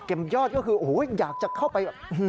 เก็บยอดก็คืออยากจะเข้าไป